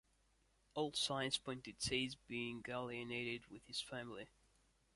All signs point to Chase being alienated with his family.